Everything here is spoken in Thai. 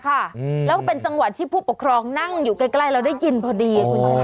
ก็เป็นจังหวัดที่ผู้ปกครองนั่งอยู่ใกล้เราได้ยินเผ็ดี